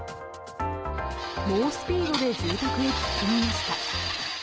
猛スピードで住宅へ突っ込みました。